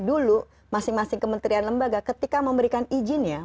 dulu masing masing kementerian lembaga ketika memberikan izinnya